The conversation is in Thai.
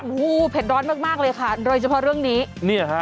โอ้โฮเผ็ดร้อนมากเลยค่ะโดยเฉพาะเรื่องนี้